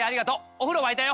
お風呂沸いたよ。